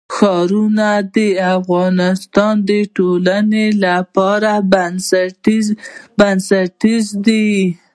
ښارونه د افغانستان د ټولنې لپاره بنسټیز دي.